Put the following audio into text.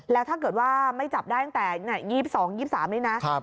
แล้วถ้าเกิดว่าไม่จับได้ตั้งแต่๒๒๒๓นี้นะ